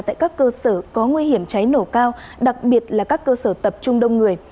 tại các cơ sở có nguy hiểm cháy nổ cao đặc biệt là các cơ sở tập trung đông người